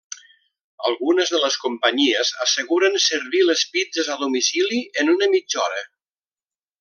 Algunes de les companyies asseguren servir les pizzes a domicili en una mitja hora.